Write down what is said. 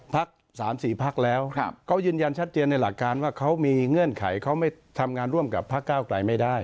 ๓๔พักแล้วเขายืนยันชัดเจนในหลักการว่าเขามีเงื่อนไขเขาไม่ทำงานร่วมกับพักเก้าไกลไม่ได้